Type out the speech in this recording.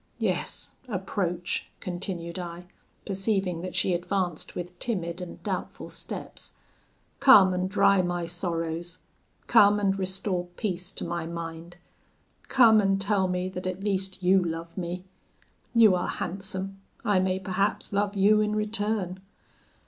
Yes, approach,' continued I, perceiving that she advanced with timid and doubtful steps; 'come and dry my sorrows; come and restore peace to my mind; come and tell me that at least you love me: you are handsome I may perhaps love you in return.'